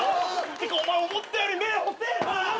てかお前思ったより目細えな！